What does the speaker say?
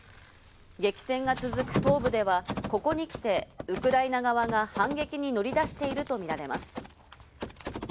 激戦が続く東部ではここにきて、ウクライナ側が反撃に乗り出しているとみられます。